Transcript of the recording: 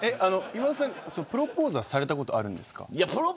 プロポーズはされたことあるんですか。